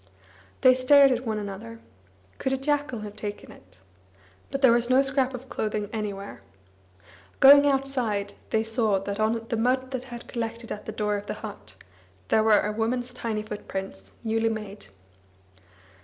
They stared at one another. Could a jackal have taken it? But there was no scrap of clothing anywhere. Going outside, they saw that on the mud that had collected at the door of the but there were a woman's tiny footprints, newly made.